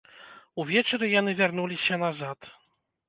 Увечары яны вярнуліся назад.